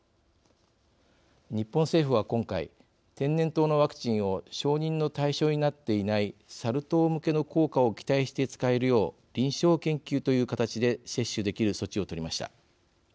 日本政府は今回天然痘のワクチンを承認の対象になっていないサル痘向けの効果を期待して使えるよう臨床研究という形で接種できる措置を取りました。